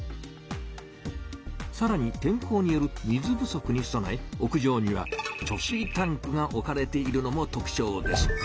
さらに天候による水不足にそなえ屋上には貯水タンクが置かれているのも特ちょうです。